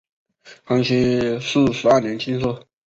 康熙四十二年进士。